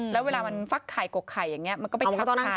แล้วเวลามันฟักไข่กกไข่อย่างนี้มันก็ไปทับขา